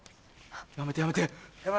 やめてやめて！